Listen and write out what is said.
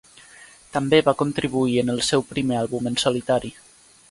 També va contribuir en el seu primer àlbum en solitari.